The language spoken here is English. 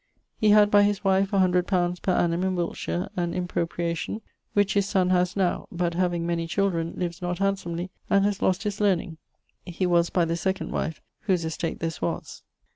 He had by his wife 100 li. per annum, in Wiltshire, an impropriation, which his son has now (but having many children, lives not handsomely and haz lost his learning: he was by the second wife, whose estate this was).